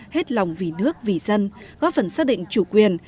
hết lòng vì nước vì dân góp phần xác định chủ quyền